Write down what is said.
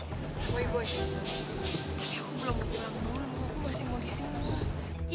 tapi aku belum berjalan dulu aku masih mau disini